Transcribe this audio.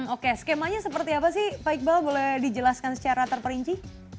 oke skemanya seperti apa sih pak iqbal boleh dijelaskan secara terperinci